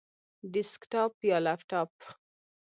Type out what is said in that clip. ډیسکټاپ یا لپټاپ؟